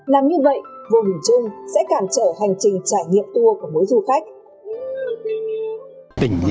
làm như vậy vùng trường sẽ cản trở hành trình trải nghiệm